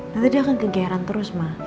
nanti dia akan kegayaran terus ma